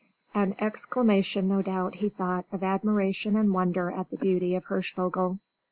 An exclamation no doubt, he thought, of admiration and wonder at the beauty of Hirschvogel.